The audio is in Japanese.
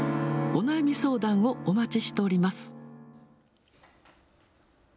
お悩み相談をお待ちしております。